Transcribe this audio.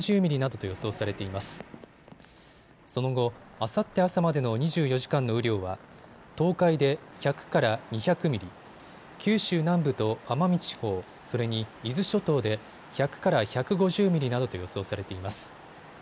その後、あさって朝までの２４時間の雨量は東海で１００から２００ミリ、九州南部と奄美地方、それに、伊豆諸島で１００から１５０ミリなどと予想されています。